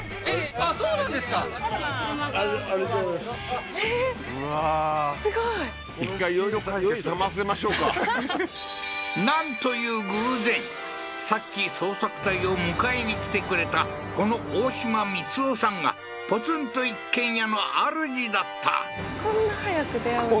あっそうなんですかええーうわーすごい一回酔い冷ませましょうかなんという偶然さっき捜索隊を迎えに来てくれたこの大島光夫さんがポツンと一軒家のあるじだったこんな早く出会うんですね